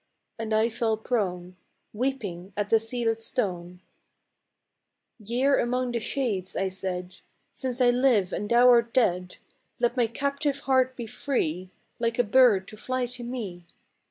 " And I fell prone Weeping at the sealed stone; "Year among the shades," I said, " Since I live, and thou art dead, Let my captive heart be free, Like a bird to fly to me."